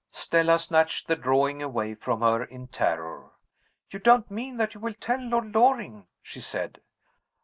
Stella snatched the drawing away from her, in terror. "You don't mean that you will tell Lord Loring?" she said.